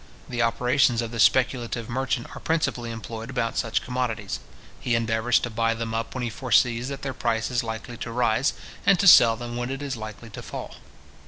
The operations of the speculative merchant are principally employed about such commodities. He endeavours to buy them up when he foresees that their price is likely to rise, and to sell them when it is likely to fall.